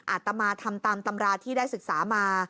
อาตมาทำตามตำราที่ได้ศึกษามา